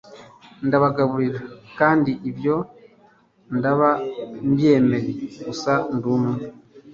Ndabagaburira, kandi ibyo ndaba byemeye, gusa ndumiwe,